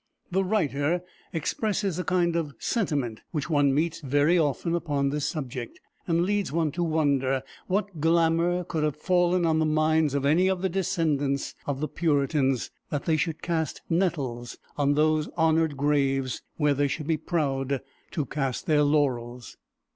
The writer expresses a kind of sentiment which one meets very often upon this subject, and leads one to wonder what glamour could have fallen on the minds of any of the descendants of the Puritans, that they should cast nettles on those honored graves where they should be proud to cast their laurels.